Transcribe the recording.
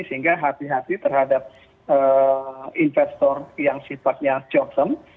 sehingga hati hati terhadap investor yang sifatnya jauh